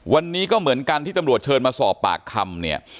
วันนี้ก็เหมือนกันที่ตำรวจเชิญมาสอบปากคำเนี่ย